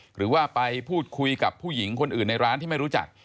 หรือว่าไปพูดคุยกับผู้หญิงคนอื่นในร้านที่ไม่รู้จัก